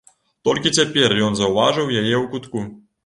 Толькі цяпер ён заўважыў яе ў кутку.